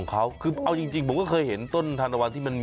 ดอกเดียวใช่ไหม